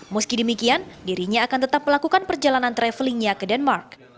meski demikian dirinya akan tetap melakukan perjalanan travelingnya ke denmark